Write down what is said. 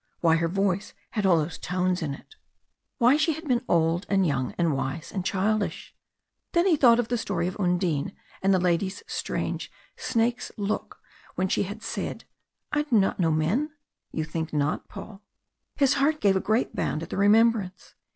Why her voice had all those tones in it. Why she had been old and young, and wise and childish. Then he thought of the story of Undine and the lady's strange, snake's look when she had said: "I do not know men? You think not, Paul?" His heart gave a great bound at the remembrance.